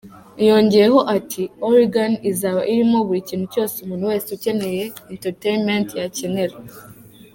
Yongeyeho ati « Oregon izaba irimo buri kintu cyose umuntu wese ukeneye entertainment yakenera.